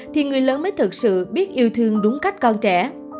thì người lớn mới thực sự biết yêu thương đúng cách con trẻ